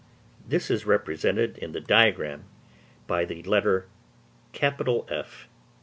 This is represented in the diagram by the letter F14.